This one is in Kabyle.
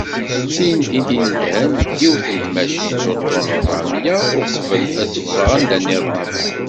D tin i d-inedhen deg yiwet n tmacint uṭṭun rebεemya, uqbel ad teffeɣ anda-nniḍen.